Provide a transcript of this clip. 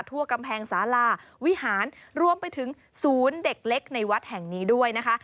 ทั่วกำแพงศาลาวิหารรวมไปถึงศูนย์เด็กเล็กในวัดแห่งนี้ด้วยนะคะ